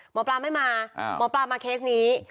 หมอปลาไม่มาหมอปลามาเคสนี้